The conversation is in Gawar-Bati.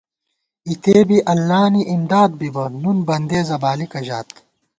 اِتےبی اللہ نی امداد بِبہ ، نُن بندېزہ بالِکہ ژات